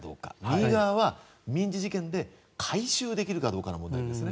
右側は民事事件で回収できるかどうかです。